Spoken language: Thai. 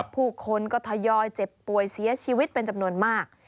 ผู้คนก็ทยอยเจ็บป่วยเสียชีวิตเป็นจำนวนมาก